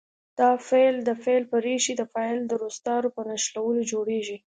دا فعل د فعل په ریښې د فاعل د روستارو په نښلولو جوړیږي.